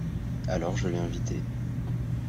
Alors je l’ai invité.